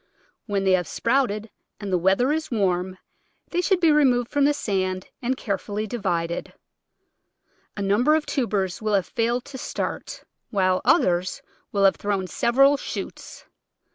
When they have sprouted and the weather is warm they should be re moved from the sand and carefully divided. A num ber of tubers will have failed to start, while others will have thrown several shoots.